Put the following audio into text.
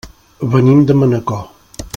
Venim de Manacor.